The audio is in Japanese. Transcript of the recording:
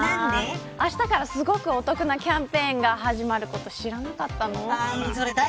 あしたから、すごくお得なキャンペーンが始まること知らなかったの。